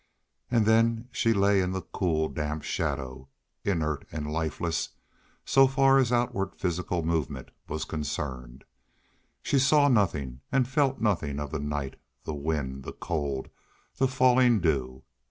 And then she lay in the cool, damp shadow, inert and lifeless so far as outward physical movement was concerned. She saw nothing and felt nothing of the night, the wind, the cold, the falling dew.